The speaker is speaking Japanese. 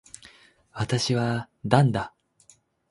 私は男だ。